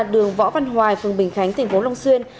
đường võ văn hoài phường bình khánh tỉnh phú long xuyên